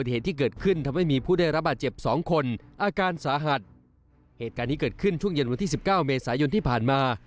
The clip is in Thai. เหตุการณ์นี้เกิดขึ้นช่วงเย็นวันที่๑๙เมษายนที่ผ่านมา